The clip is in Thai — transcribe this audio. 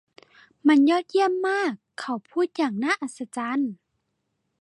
มันยอดเยี่ยมมากเขาพูดอย่างน่าอัศจรรย์